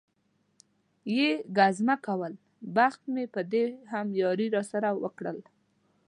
یې ګزمه کول، بخت مې په دې هم یاري را سره وکړل.